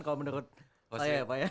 kalau menurut oce ya pak ya